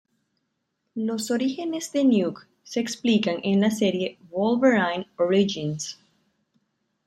Los orígenes de Nuke se explican en la serie "Wolverine: Origins".